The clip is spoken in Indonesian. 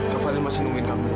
kak fadil masih nungguin kamila